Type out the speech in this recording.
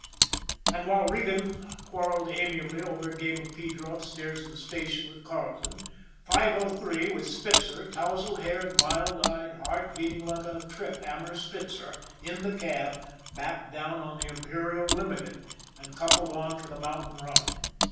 And while Regan quarreled amiably over a game of pedro upstairs in the station with Carleton, 503, with Spitzer, touzled haired, mild eyed, heart beating like a trip hammer Spitzer, in the cab, backed down on the Imperial Limited and coupled on for the moun tain run.